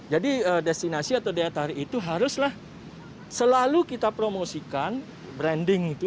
jadi destinasi atau daya tarik itu haruslah selalu kita promosikan branding itu